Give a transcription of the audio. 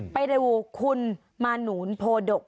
ไปดูคุณมานูนโพดก